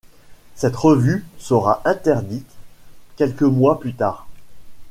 Cette revue sera interdite quelques mois plus tard.